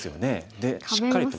でしっかりと。